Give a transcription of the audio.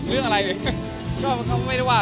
เรื่องนี้ก็ขอให้ปล่อยผ่านไปเถอะครับ